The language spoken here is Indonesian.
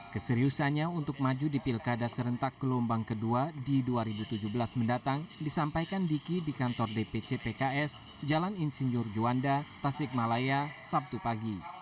keseriusannya untuk maju di pilkada serentak gelombang kedua di dua ribu tujuh belas mendatang disampaikan diki di kantor dpc pks jalan insinyur juanda tasik malaya sabtu pagi